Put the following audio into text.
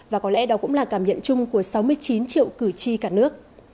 và có lẽ đó cũng là cảm nhận chung của sáu mươi chín triệu cử tri cả nước